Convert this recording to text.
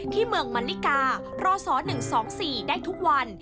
ที่เมืองมันลิการรศ๑๒๔ได้ทุกวัน